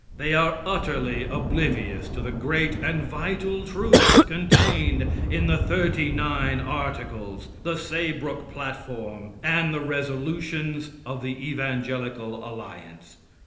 They are utterly oblivious to the great and vital truths contained in the Thirty nine articles, the Saybrook platform, and the resolutions of the Evangelical Alliance.